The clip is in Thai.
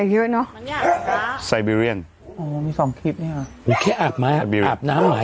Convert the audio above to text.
เยอะเนอะไซเบรียนอ๋อมีสองคลิปเนี่ยอ๋อแค่อาบไม้อาบน้ำหมา